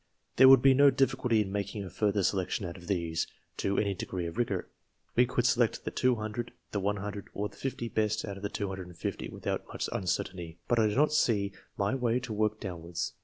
There would be no difficulty in making a further selec tion out of these, to any degree of rigour. We could select the 200, the 100, or the fifty best out of the 250, without much uncertainty. But I do not see my way to work downwards.